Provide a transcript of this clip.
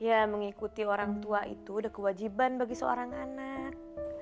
ya mengikuti orang tua itu ada kewajiban bagi seorang anak